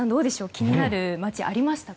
気になる街、ありましたか？